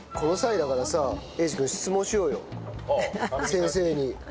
先生に。